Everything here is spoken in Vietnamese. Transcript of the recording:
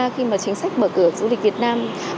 khi mà chính sách mở cửa du lịch việt nam